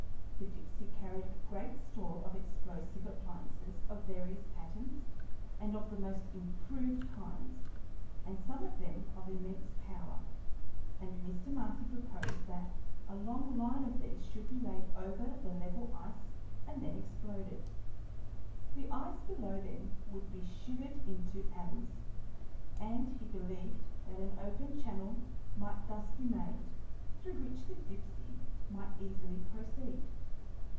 The Dipsey carried a great store of explosive appliances of various patterns and of the most improved kinds, and some of them of immense power, and Mr. Marcy proposed that a long line of these should be laid over the level ice and then exploded. The ice below them would be shivered into atoms, and he believed that an open channel might thus be made, through which the Dipsey might easily proceed.